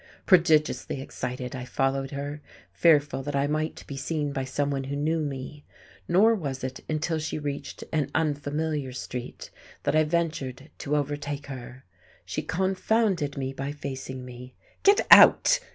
Prodigiously excited, I followed her, fearful that I might be seen by someone who knew me, nor was it until she reached an unfamiliar street that I ventured to overtake her. She confounded me by facing me. "Get out!"